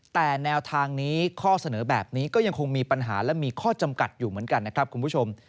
แต่แนวทางนี้ข้อเสนอแบบนี้ก็ยังคงมีปัญหาและมีข้อจำกัดอยู่เหมือนกันนะครับคุณผู้ชม